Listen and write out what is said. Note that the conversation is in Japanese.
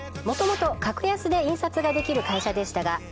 もともと格安で印刷ができる会社でしたが